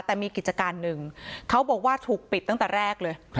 แต่มีกิจการหนึ่งเขาบอกว่าถูกปิดตั้งแต่แรกเลย